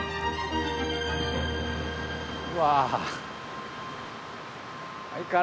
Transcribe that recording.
うわ！